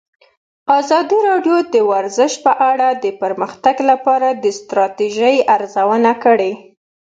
ازادي راډیو د ورزش په اړه د پرمختګ لپاره د ستراتیژۍ ارزونه کړې.